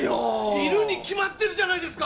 いるに決まってるじゃないですか！